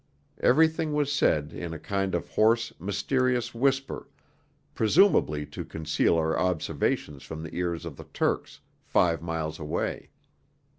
Everything was said in a kind of hoarse, mysterious whisper, presumably to conceal our observations from the ears of the Turks five miles away.